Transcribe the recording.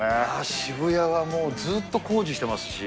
渋谷はもう、ずっと工事してますし。